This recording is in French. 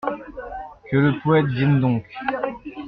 Que le poète vienne donc !